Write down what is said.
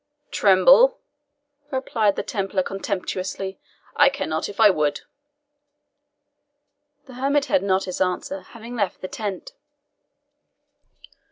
"Tremble!" replied the Templar contemptuously, "I cannot if I would." The hermit heard not his answer, having left the tent.